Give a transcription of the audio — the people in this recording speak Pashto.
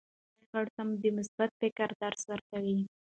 مور د کورنۍ غړو ته د مثبت فکر درس ورکوي.